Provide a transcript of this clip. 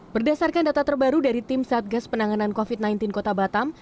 berdasarkan data terbaru dari tim satgas penanganan covid sembilan belas kota batam